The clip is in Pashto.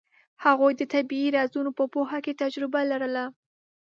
هغوی د طبیعي رازونو په پوهه کې تجربه لرله.